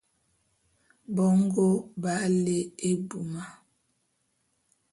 Bongo b'á lé ebuma.